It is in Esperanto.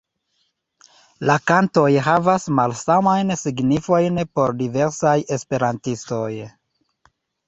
La kantoj havas malsamajn signifojn por diversaj esperantistoj.